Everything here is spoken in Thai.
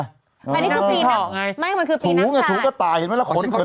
มานี้คือปีนักศัตริย์